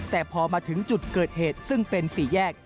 แต่พอมาถึงจุดเกิดเหตุซึ่งเป็นสี่แยก